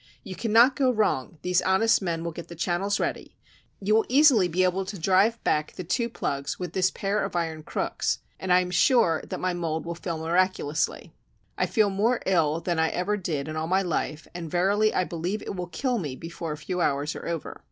You cannot go wrong; these honest men will get the channels ready; you will easily be able to drive back the two plugs with this pair of iron crooks; and I am sure that my mold will fill miraculously. I feel more ill than I ever did in all my life, and verily believe it will kill me before a few hours are over."